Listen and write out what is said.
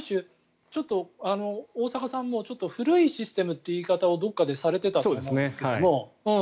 大坂さんも古いシステムという言い方をどこかでされていたと思うんですけども。